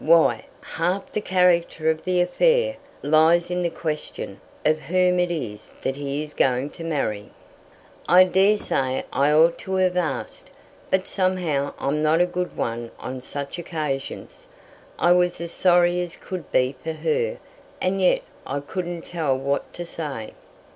Why, half the character of the affair lies in the question of who it is that he is going to marry." "I daresay I ought to have asked. But somehow I'm not a good one on such occasions. I was as sorry as could be for her, and yet I couldn't tell what to say."